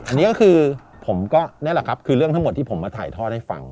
อันนี้ก็คือเรื่องทั้งหมดที่ผมมาถ่ายท่อให้ฟัง